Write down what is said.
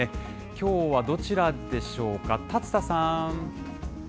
きょうはどちらでしょうか、竜田さん。